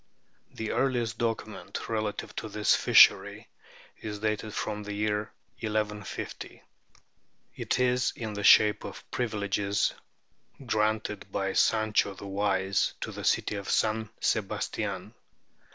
The earliest document relative to this fishery is dated from the year 1150. It is in the shape of privileges granted by Sancho the Wise to the city of San Sebastian.